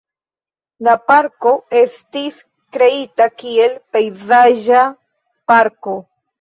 La parko estis kreita kiel pejzaĝa parko.